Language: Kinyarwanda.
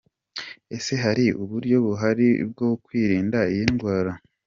Ese hari uburyo buhari bwo kwirinda iyi ndwara?.